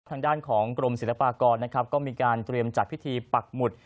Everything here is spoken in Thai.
ทางด้านของกรมศิลปากรนะครับก็มีการเตรียมจัดพิธีปักหมุด